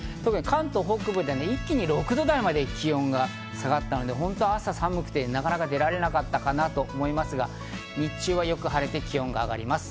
関東北部で一気に６度台まで気温が下がったので本当に朝寒くて布団からなかなか出られなかったと思いますが、日中はよく晴れて気温が上がります。